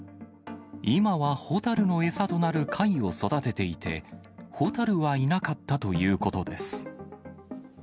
今は蛍の餌となる貝を育てていて、蛍はいなかったということです。